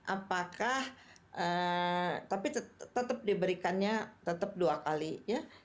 apakah tapi tetap diberikannya tetap dua kali ya